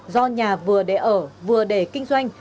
do nhà vừa để ở vừa để kinh doanh